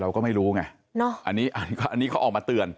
เราก็ไม่รู้ไงอันนี้เขาออกมาเตือน